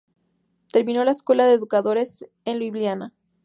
Terminó la Escuela de Educadores de Liubliana.